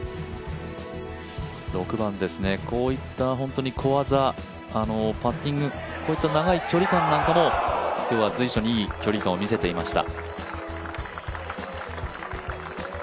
６番ですね、こういった小技、パッティング、こういった長いパッティングなんかも今日は随所にいい、距離感をみせていました。